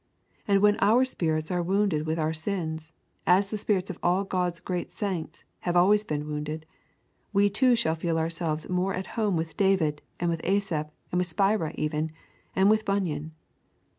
And when our spirits are wounded with our sins, as the spirits of all God's great saints have always been wounded, we too shall feel ourselves more at home with David and with Asaph, with Spira even, and with Bunyan.